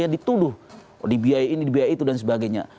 dituduh dibiayai ini dibiayai itu dsb